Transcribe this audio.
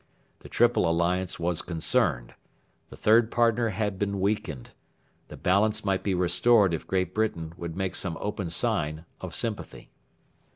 The Triple Alliance was concerned. The third partner had been weakened. The balance might be restored if Great Britain would make some open sign of sympathy.